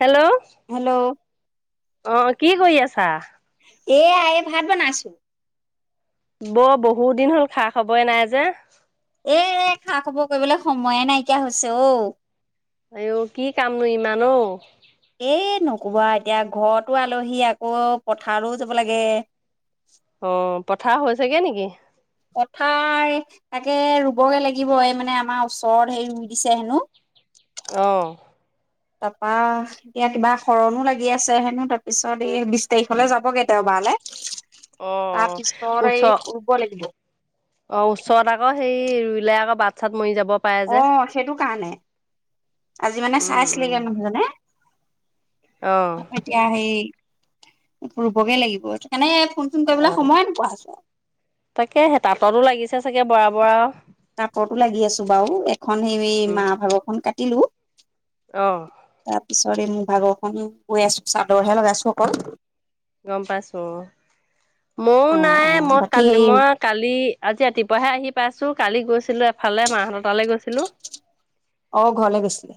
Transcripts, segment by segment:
Hello hello অ কি কৰি আছা এয়া এই ভাত বনাইছো বৌ বহুত দিন হ'ল খা খবৰেই নাই যে এ খা খবৰ কৰিবলৈ সময়ে নাইকিয়া হৈছে অঔ আইও কি কামনো ইমান অ এ নকবা এতিয়া ঘৰতো আলহী আকৌ পথাৰলৈও যাব লাগে। অ পথাৰ হৈছেগে নেকি পথাৰ তাকে ৰুবগে লাগিব এই মানে আমাৰ ওচৰত হেৰি দিছে হেনো অ তাৰপা এতিয়া কিবা শৰণো লাগি আছে হেনো তাৰপিছত এই বিশ তাৰিখলৈ যাবগে দেওবাৰলৈ অ তাৰ পিছত এই ওচৰ ৰুব লাগিব অ ওচৰত আকৌ সেই ৰুইলে আকৌ বাট চাত মৰি যাব পাৰে অ যে সেইটো কাৰণে আজি মানে উম উম চাইছিলেগে মানুহজনে অ এতিয়া সেই ৰুবগে লাগিব সেইকাৰণে ফোন চোন অ কৰিবলে সময় নোপোৱা হৈছো তাকেহে সেই তাঁততো লাগিছে চাগে বৰা বৰা কাপোৰটো লাগি আছো বাৰু এখন সেই মাৰ ভাগৰখন কাটিলো অ তাৰ পিছত এই মোৰ ভাগৰখন বৈ আছো চাদৰহে লগাইছো অকল গম পাইছো অ ময়ো অ নাই অ মই বাকী কালি হেৰি মই কালি আজি ৰাতিপুৱাহে আহি পাইছো কালি গৈছিলো এফালে মাহঁতৰ তালৈ গৈছিলো অ ঘৰলে গৈছিলে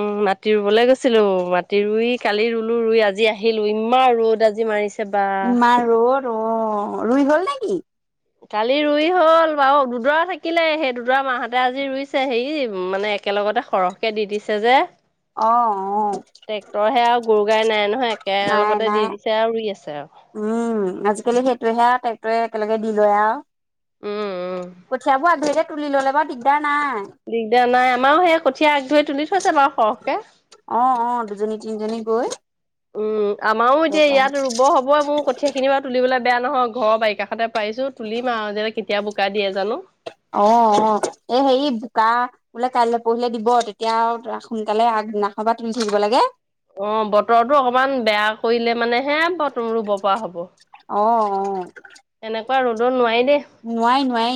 উম মাটি ৰুবলে গৈছিলো মাটি ৰুই কালি ৰুলো ৰুই আজি আহিলো ইমান ৰ'দ আজি মাৰিছে বা ইমান ৰ'দ অ ৰুই হ'ল নেকি কালি ৰুই হল বাৰু দুডৰা থাকিলে সেই দুডৰা মাহতে আজি ৰুইছে হেৰি মানে একেলগতে সৰহকে দি দিছে যে অ অ ট্ৰেক্টৰহে আৱ গৰু গাই নাই নহয় নাই একেলগতে নাই দি দিছে আৱ ৰুই আছে আৱ উম আজিকালি সেইটোহে আৱ ট্ৰেক্টৰে একেলগে দি লয় আৱ উম উম কঠিয়াবোৰ আগধৰিতে তুলি ল'লে বাৰু দিগদাৰ নাই দিগদাৰ নাই আমাৰো সেই কঠীয়া আগ ধৰি তুলি থৈছে বাৰু সৰহকে অ অ দুজনী তিনিজনী গৈ উম আমাৰো অ এতিয়া ইয়াত ৰুব হবই মোৰ কঠিয়া খিনি সেইখিনি বাৰু তুলিবলে বেয়া নহয় ঘৰৰ বাৰীৰ কাষতে পাৰিছো তুলিম আৱ যে কেতিয়া বোকা দিয়ে জানো অ অ এ হেৰি বোকা বোলে কাইলে পৰহিলে দিব তেতিয়া আৱ সোনকালে আগদিনাখনৰ পৰা তুলি থাকিব লাগে অ বতৰটো অকমান বেয়া কৰিলে মানে হে ব ৰুব পৰা হ'ব অ অ এনেকুৱা ৰ'দত নোৱাৰি দেই নোৱাৰি নোৱাৰি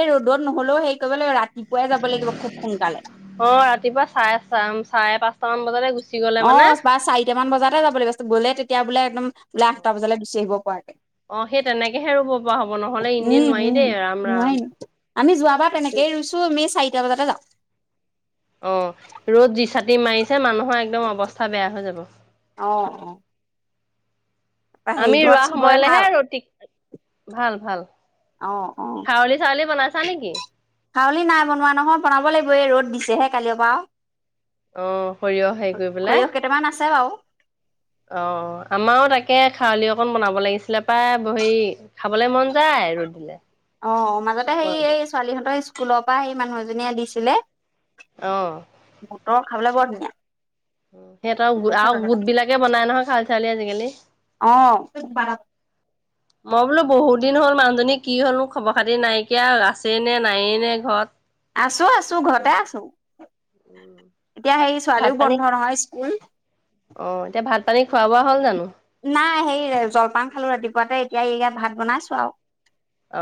এই ৰ'দত নহ'লেও হেৰি কৰিব লাগিব ৰাতিপুৱাই যাব লাগিব খুব সোনকালে অ ৰাতিপুৱা চাই চাম চাৰে পাঁচটা মান বজাতে গুচি গ'ল অ বা চাৰিটামান বজাতে যাব লাগিব গ'লে তেতিয়া বোলে একদম বোলে আঠটা বজালে গুচি আহিব পৰাকে অ সেই তেনেকেহে ৰুব পৰা হব নহলে এনেই উম নোৱাৰি উম দেই ৰাম নোৱাৰি ৰাম আমি যোৱাবাৰ তেনেকেই ৰুইছো আমি চাৰিটা বজাতে যাওঁ অ ৰ'দ যি চাটি মাৰিছে মানুহৰ একদম অৱস্থা বেয়া হৈ যাব অ অ তাৰপৰা হেৰি আমি ঘৰত ৰুৱা চবৰে সময়লৈহে ভাল ৰদটি ভাল ভাল অ খাৱলি চাৱলি বনাইছা নেকি হাউলি নাই বনোৱা নহয় বনাব লাগিব এই ৰ'দ দিছেহে কালিৰ পৰা আও অ সৰিয়হ হেৰি কৰি পেলাই সৰিয়হ কেইটামান আছে বাও। অ। আমাৰো তাকে খাৱলি অকণ বনাব লাগিছিলে প্ৰায়, বহে খাবলে মন যায় ৰ'দ দিলে। অ। মাজতে সেই গৰমত। এই ছোৱালীহঁতৰ স্কুলৰ পৰা সেই মানুহ এজনীয়ে দিছিলে। অ। বুতৰ খাবলে বৰ ধুনীয়া। সিহঁতৰ ঠিক আছে আৰু গোট বিলাকে বনাই নহয় খাল চালি আজিকালি। অ। [unintelligible] মই বোলো বহুত দিন হ'ল মানুহজনী কি হ'ল নো খবৰ খাতি নাইকিয়া আছেই নে নাইয়ে নে ঘৰত। আছো আছো ঘৰতে আছো। এতিয়া সেই ভাত ছোৱালীও পানী বন্ধ নহয় স্কুল। অ এতিয়া ভাত পানী খোৱা বোৱা হ'ল জানো? নাই সেই জলপান খালো ৰাতিপুৱাতে, এতিয়া এই ভাত বনাইছো আও।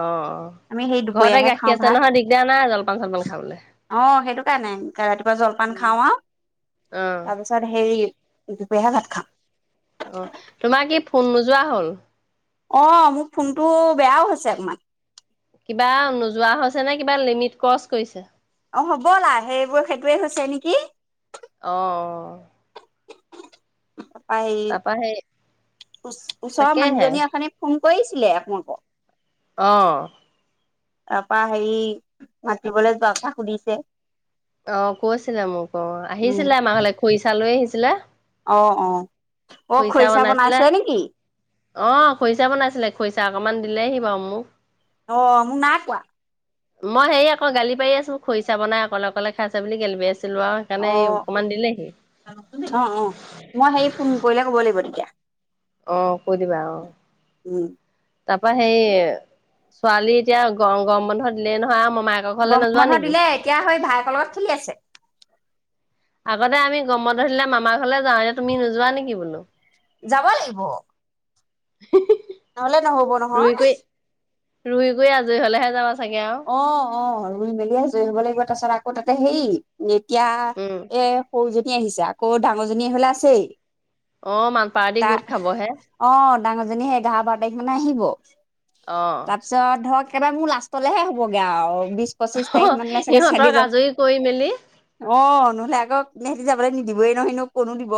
অ। ঘৰতে দুপৰীয়াহে গাখীৰ খাওঁ আছে ভাত নহয় দিগদাৰ নাই জলপান চলপান খাবলে। অ সেইটো কাৰণে, ৰাতিপুৱা জলপান খাওঁ আও। অ। তাৰপিছত হেৰি দুপৰিয়াহে ভাত খাম। অ, তোমাৰ কি ফোন নোযোৱা হ'ল? অ মোৰ ফোনটো বেয়াও হৈছে অকণমান। কিবা নোযোৱা হৈছেনে, কিবা লিমিট ক্ৰছ কৰিছে? অ হ'বলা সেইবোৰ সেইটোৱে হৈছে নেকি? অ অ। তাপা সেই, তাৰপা সেই ওচ ওচৰৰ তাকেহে মানুহজনীয়ে ওঠনি ফোন কৰিছিলে আপোনালোক [unintelligible] অ। তাৰপা হেৰি, মাতিবলৈ যোৱা কথা সুধিছে। অ কৈছিলে মোক অ, উম আহিছিলে আমা ঘৰলে খুৰিচা লৈ আহিছিলে। অ অ। অ খৰিচা বনাইছে নেকি? অ খৰিচা বনাইছিলে, খৰিচা অকমান দিলেহি বাৰু মোক। অ মোক নাই কোৱা। মই হেৰি আকৌ গালি পাৰি আছো, খৰিচা বনাই অকলে অকলে খাইচে বুলি গালি পাই আছিলো আৰু। সেইকাৰণে অ, সেই অকমান দিলেহি। অ অ, মই হেৰি ফোন কৰিলে ক'ব লাগিব তেতিয়া। অ কৈ দিবা অ। উম। তাৰপা সেই, ছোৱালী এতিয়া গম গম বন্ধ দিলেই দিলেই নহয় আও মোমাইকৰ ঘৰলে নোযোৱা নেকি? কেয়া হৈ ভায়েকৰ লগত খেলি আছে। আগতে আমি গম বন্ধ দিলে মামাৰ ঘৰলে যাওঁ, এতিয়া তুমি নোযোৱা নেকি বোলো? যাব লাগিব। হিঃ হিঃ হিঃ। নহলে নহ'ব। ৰুই নহয়। ক‌ই, ৰুই ক‌ই আজৰি হলেহে যাবা চাগে আৰু? অ অ ৰুই মেলি আজয়ী হব লাগিব, তাৰছত আকৌ তাতে হেৰি, এতিয়া উম এ সৰুজনী আহিছে, আকৌ ডাঙৰজনী আহিবলে আছেই। অ মান পাৰ্টি তাৰ গোট খাবহে। অ ডাঙৰজনী সে এঘাৰ বাৰ তাৰিখ মানে আহিব। অঁ। পিছত ধৰক একেবাৰে মোৰ লাষ্টলেহে হ'বগে আৰু বিশ পঁচিশ তাৰিখ মানিলে চাগে চেলি সিহঁতক যাব আজৰি কৰি মেলি অঁ নহলে আকৌ সিহেঁতি যাবলৈ নিদিবৈ নহয়নো ক'তনো দিব।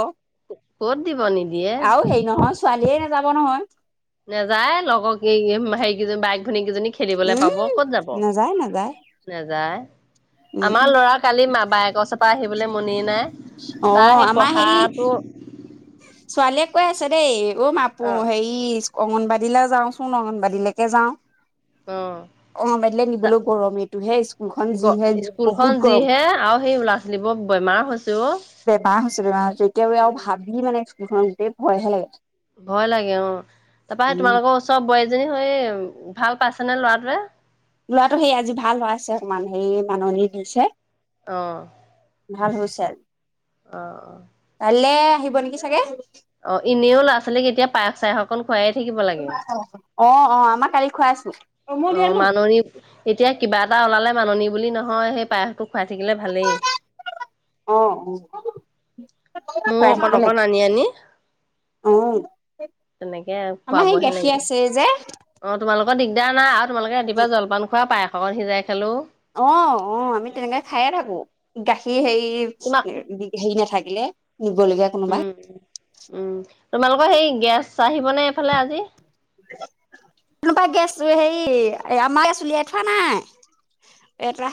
ক'ত দিব নিদিয়ে। আৰু হেই নহয় ছোৱালীয়েই নাযাব নহয়। নাযায় লগৰ হেৰিকেইজন বাইক ভনীয়েক কেইজনী খেলিবলৈ পাব উম ক'ত যাব। নাযায় নাযায় নাযায় উম আমাৰ লৰা কালি মা বায়েকৰ ওচৰৰ পৰা আহিবলৈ মনেই নাই। তাৰ অঁ সেই আমাৰ হেৰি পঢ়াটো ছোৱালীয়ে কৈ আছে দেই অ মাঁ পো হেৰি অংগনবাড়ীলৈ যাওঁচোন অগনবাড়ীলৈকে যাওঁ। অঁ। অংগনবাড়ীলৈ নিবলৈও গৰম এইটোহে স্কুলখন যিহে স্কুলখন বহুত গৰম। যিহে আৰু সেই লৰা ছোৱালীবোৰৰ বেমাৰ হৈছে ঔ। বেমাৰ হৈছে বেমাৰ হৈছে। এতিয়া আৰু হাবি মানে স্কুলখন গোটেই ভয়হে লাগে। ভয় লাগে অঁ, তাৰপৰা সেই উম তোমালোকৰ ওচৰৰ বোৱাৰীজনী সেই ভাল পাইছেনে ল'ৰাটোৱে? লোৱাটো সেই আজি ভাল হোৱাইছে অকমান সেই মাননী দিছে। অঁ। ভাল হৈছে। অঁ অঁ। কাইলৈ আহিব নেকি চাগে। অ' এনেও ল'ৰা ছোৱালীক এতিয়া পায়স চায়স অকণ খোৱাই থাকিব লাগে। অঁ অঁ, আমাৰ কালি খুৱাইছিলে। অ মাননী এতিয়া কিবা এটা ওলালে মাননী বুলি নহয় সেই পায়সটো খুৱাই থাকিলে ভালেই। অঁ অঁ। মইও অকণ অকণ আনি আনি অ তেনেকে আমাৰ সেই খোৱাবহে গাখীৰ লাগিব। আছে যে অঁ তোমালোকৰ দিগদাৰ নাই, আৰু তোমালোকে উ ৰাতিপুৱা জলপান খোৱা পায়স অকমান সিজাই খালো অঁ অঁ আমি তেনেকে খাইয়ে থাকো। গাখীৰ হেৰি তোমাক হেৰি নাথাকিলে নিবলগীয়া কোনোবা। উম উম তোমালোকৰ সেই গেছ আহিব নে এইফালে আজি? কোনোবা গেছ হেৰি আমাৰ গেছ উলিয়াই থোৱা নাই। এটা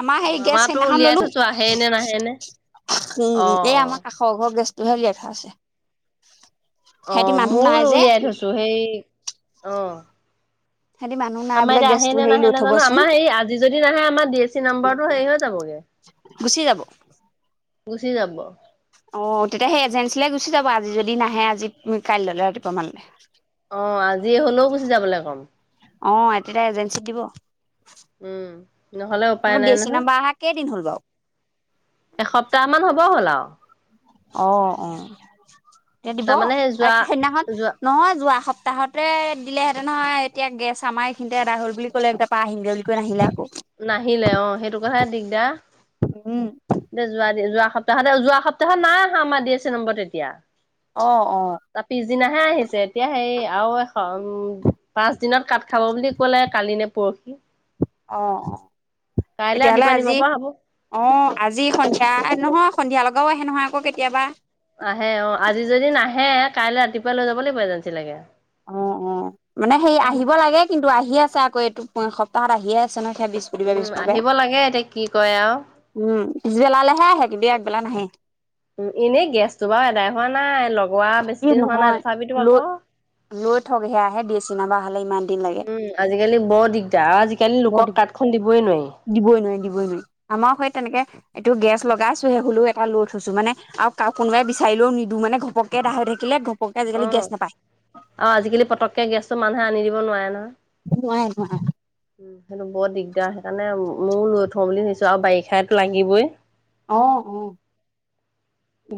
আমাৰ অ সেই গেছ আমাৰতো সেইদিনাখন উলিয়াই ললো। থৈছো আহে নে নাহে নে উম অ উম এই আমাৰ কাষৰ সৰ ঘৰ গেছটোহে উলিয়াই থোৱা আছে। সিহঁতি অঁ মানুহ নাই মইও যে উলিয়াই থৈছো সেই অঁ [unintelligible] মানুহ নাই আমাৰ বোলে এতিয়া আজি গেছটো যদি হেৰি নাহে লৈ নাজানো। থবচোন আমাৰ হেৰি আজি যদি নাহে আমাৰ ডি এছ চি নাম্বৰটো হেৰি হৈ যাবগে। গুচি যাব। গুচি যাব। অ' তেতিয়া সেই এজেঞ্চিলৈ গুচি যাব আজি যদি নাহে আজি কাইলৈ ৰাতিপুৱা মানলৈ? অ আজি হলেও গুচি যাবলৈ কম। অঁ এ তেতিয়া এজেঞ্চিত দিব। উম। নহলে উপায় মোৰ ডি নাই চি নহয়, নাম্বাৰ অহা কেইদিন হ'ল বাৰু এসপ্তাহ মান হ'ব হ'ল আৰু। অ', অ', এতিয়া দিব তাৰমানে সেই যোৱা আৰু সেইদিনাখন যোৱা নহয় যোৱা সপ্তাহতে দিলেহেঁতে নহয় এতিয়া গেছ আমাৰ এইখিনিতে এদাই হ'ল বুলি ক'লে এক পাহ আহিগৈ বুলি কৈ নাহিলে আকৌ নাহিলে অ', সেইটো কথাই দিগদাৰ। উম। দে যোৱা যোৱা সপ্তাহ যোৱা সপ্তাহত নাই আহা আমাৰ ডি এছ চি নম্বৰ তেতিয়া। অ', অ'। তাৰ পিছদিনাহে আহিছে এতিয়া সেই আৰু এশ উম পাঁচ দিনত কাট খাব বুলি ক'লে কালি নে পৰহি অ', অ', কাইলৈ তেতিয়াহ'লে ৰাতিপুৱা নিব আজি পৰা হ'ব অ', আজি সন্ধিয়া নহয় সন্ধিয়া লগাও আহে নহয় আকৌ কেতিয়াবা। আহে অ', আজি যদি নাহে কাইলৈ ৰাতিপুৱাই লৈ যাব লাগিব এজেঞ্চী লৈকে অ', অ', মানে সেই আহিব লাগে কিন্তু আহি আছে আকৌ এইটো সপ্তাহত আহিয়ে আছে সে [unintelligible] সুধিবা উম পিছ পব আহিব লাগে এতিয়া কি কয় আৰু উম পিছবেলালৈহে আহে কিবি একবেলা নাহে। উম এনেই গেছটো বাৰু এদাই হোৱা নাই লগোৱা ই বেছি দিন হোৱা নহয় নাই তথাপিতো লৈ আকৌ লৈ থকহে আহে দিচি নাম্বাৰ হ'লে ইমান দিন লাগে উম আজিকালি বৰ দিগদাৰ আৰু আজিকালি বৰ লোকক দিগদাৰ কাদ খন দিবই নোৱাৰি। দিবই নোৱাৰি দিবই, নোৱাৰি আমাৰ সৈ তেনেকে এইটো গেছ লগাইছো সে হুললেও এটা লৈ থৈছো মানে আৰু কাক কোনোবাই বিচাৰিলেও নিদো মানে ঘপক এডাই হৈ থাকিলে ঘপকে আজিকালি গেছ অ', নাপায়। আৰু আজিকালি পটকে গেছত মানুহে আনি দিব নোৱাৰে নহয়। নোৱাৰে নোৱাৰে ন উম সেইটো বৰ দিগদাৰ সেইকাৰণে ময়ও লৈ থওঁ বুলি ভাৱিছো আৰু বাৰিষাই লাগিবই। অ', অ'।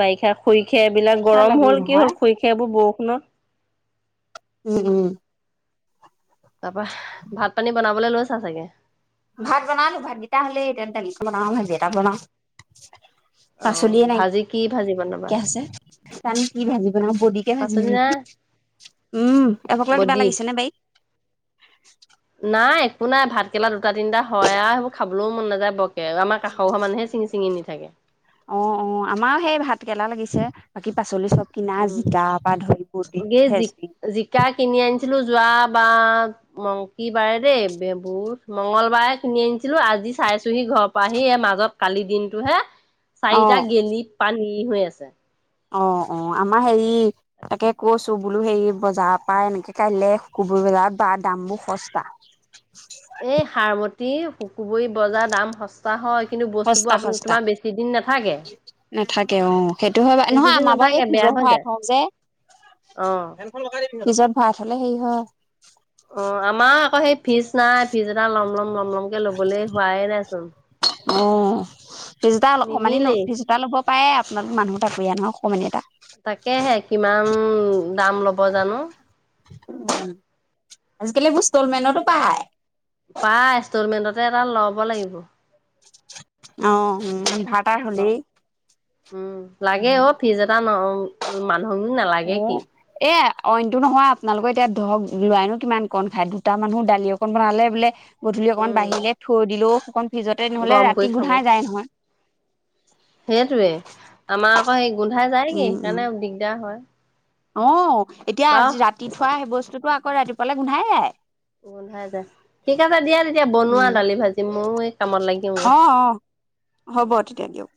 বাৰিষা খৰি খেৰ এইবিলাক বাৰিষা গৰম লাগেই হ'ল কি নহয় হ'ল খৰি খেৰবোৰ বৰষুণ উম, উম। তাৰ পৰা ভাত পানী বনাবলৈ লৈছা চাগে। ভাত বনালো ভাত কেইটা হ'লে তন বনাও ভাজি এটা বনাও। অ', পাচলিয়ে নাই ভাজি কি ভাজি বনাবা? আছে। টানি কি ভাজি বনাম বদিকে ভাজিমি পাচলি নেকি নাই উম এভকা কিবা বডি লাগিছে নে বাৰি [unintelligible] নাই একো নাই ভাত কেলা দুটা তিনিটা হয় আৰু সেইবোৰ খাবলৈও মন নাযায় ব [unintelligible] আমাৰ কাষৰ ঘৰৰ মানুহে বাৰীত চিঙি নি থাকে। অ', অ', আমাৰো সেই ভাত কেৰেেলা লাগিছে বাকী পাচলি চব। কিনা উম জিকাৰ পৰা ধৰি পুৰ্তি ফে [unintelligible] শিকা কিনি আনিছিলোঁ যোৱা বা মংকি বাৰে দেই বুত মঙ্গলবাৰে কিনি আনিছিলোঁ আজি চাইছোহি ঘৰৰ পৰা আহি এই মাজত কালি দিনটো হে অ চাৰিটা গেলি পানী হৈ আছে। অ', অ', আমাৰ হেৰি তাকে কৈছোঁ বোলো হেৰি বজাৰৰ পৰা এনেকে কাইিলে কবুৰ বজাৰত বা দাম বোৰ সস্তা। এই সাৰমতী সুকুবৰী বজাৰ দাম সস্তা। বা হয় কিন্তু বস্তুবোৰ সস্তা আপ সস্তা তোমাৰ বেছি দিন নাথাকে। নাথাকে অ', সেইটো হয় বাৰু নহয় বেছিদিন আমাৰ বাৰু এই নাথাকে বেয়া ফ্ৰিজত হৈ ভৰাই যায় অ'। নিজত ভাত, হ'লে হেৰি হয়। অ, আমাৰ আকৌ সেই ফিৰ্জ নাই, ফিৰ্জ এটা লম, লম, লম, লমকে ল'বলৈ হোৱাইে নাইচোন। অ, ফিৰ্জডাল অকমানি ল, নিমিলেই ফিৰ্জডাল আকৌ পায় আপোনালোক মানুহ এটা বেয়া নহয়, অকমানি এটা। তাকেহে কিমান দাম ল'ব জানো? উম, আজিকালি এইবোৰ ষ্টলমেটতো পায়। পায়, ষ্টলমেণ্টতে এটা ল'ব লাগিব। অ, উম, ইনভাইটাৰ হ'লে। উম, লাগে অ, ফিজৰ্জ এটা ন, মানুহ নালাগে কি। অ', এ, অইনটো নহয়, আপোনালোকৰ এতিয়া ধৰক লৰাইনো কিমান কণ খায়, দুটা মানুহ দালি অকণ বনালে বোলে গধূলি অকণমান উম, বাঢ়িলে থৈ দিলো, অকণ ফিজতে নহ'লে গৰম কৰি ৰাতি খাব গোন্ধাই যায় নহয়। সেইটোৱে আমাৰ আকৌ সেই গোন্ধাই যায় নেকি, উম, উম। সেইকাৰণে দিগদাৰ হয়। অ, এতিয়া বাৰু আজি ৰাতি থোৱা সেই বস্তুটো আকৌ ৰাতিপুৱালে গোন্ধাই যাই। গোন্ধাই যায়, ঠিক আছে দিয়া, তেতিয়া বনোৱা উম। দালি- ভাজি ময়ো এই কামত অ', লাগিমগৈ। অ', হ'ব, তেতিয়া দিয়ক।